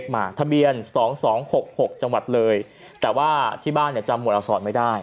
มาทะเบียน๒๒๖๖จังหวัดเลยแต่ว่าที่บ้านเนี่ยจำหวดอักษรไม่ได้